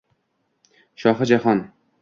Shohi Jahon